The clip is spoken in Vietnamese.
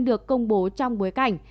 được công bố trong bối cảnh